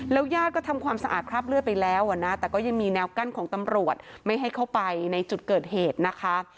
ยาดก็ทำความสะอาดคราบเลือดไปแล้วอ่ะนะแต่ก็ยังมีแนวกั้นของตำรวจไม่ให้เข้าไปในจุดเกิดเหตุนะคะ